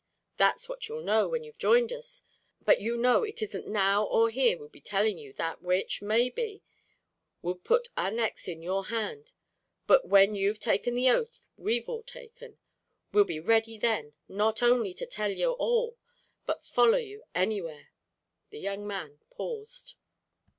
"That's what you'll know when you've joined us; but you know it isn't now or here we'd be telling you that which, maybe, would put our necks in your hand. But when you've taken the oath we've all taken, we'll be ready then not only to tell you all, but follow you anywhere." The young man paused.